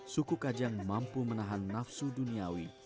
suku kajang mampu menahan nafsu duniawi